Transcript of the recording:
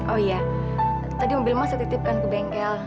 oh iya tadi mobil mas saya titipkan ke bengkel